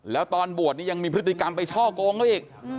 แล้วตอนบวชนี่ยังมีพฤติกรรมไปช่อกงเขาอีก